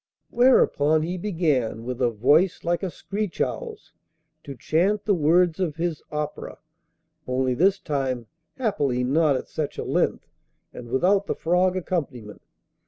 Whereupon he began, with a voice like a screech owl's, to chant the words of his 'opera,' only this time happily not at such a length, and without the frog accompaniment.